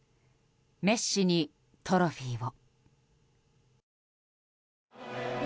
メッシにトロフィーを。